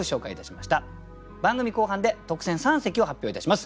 番組後半で特選三席を発表いたします。